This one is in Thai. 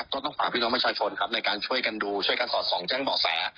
ก็ต้องฝากพี่น้องมัชชนฯในการช่วยกันดูช่วยกันสอดศรองแจ้งเผาแส